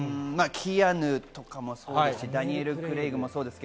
キアヌとかもそうですし、ダニエル・クレイグもそうです。